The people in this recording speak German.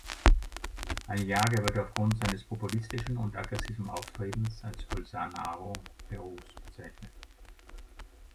Aliaga wird aufgrund seines populistischen und aggressiven Auftretens als Bolsonaro Perus bezeichnet.